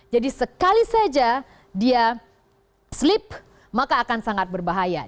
jadi sekali saja dia slip maka akan sangat berbahaya